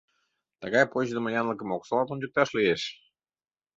Тыгай почдымо янлыкым оксалат ончыкташ лиеш!